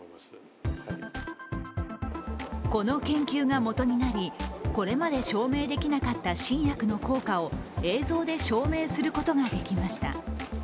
この研究がもとになり、これまで証明できなかった新薬の効果を映像で証明することができました。